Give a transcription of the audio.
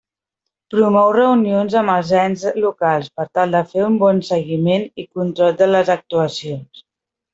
Promou reunions amb els ens locals per tal de fer un bon seguiment i control de les actuacions.